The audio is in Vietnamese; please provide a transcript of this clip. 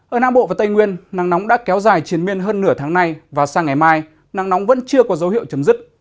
ở nam bộ và tây nguyên nắng nóng đã kéo dài triển miên hơn nửa tháng nay và sang ngày mai nắng nóng vẫn chưa có dấu hiệu chấm dứt